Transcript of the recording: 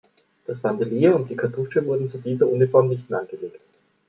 Das Bandelier und die Kartusche wurden zu dieser Uniform nicht mehr angelegt.